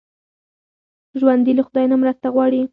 ژوندي له خدای نه مرسته غواړي